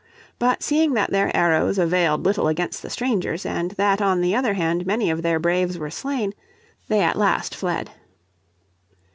But seeing that their arrows availed little against the strangers, and that on the other hand many of their braves were slain, they at last fled.